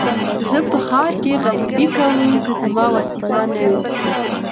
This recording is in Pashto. زه په ښار کې غريبي کوم که زما وظيفه نه وى.